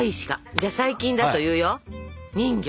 じゃあ最近だと言うよ「人魚」。